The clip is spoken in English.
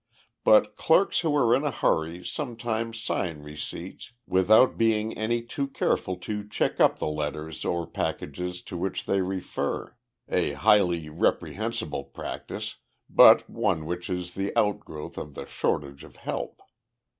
But clerks who are in a hurry sometimes sign receipts without being any too careful to check up the letters or packages to which they refer a highly reprehensible practice, but one which is the outgrowth of the shortage of help.